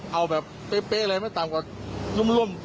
เอาแบบเป๊ะเลยไม่ต่ำกว่ารุ่ม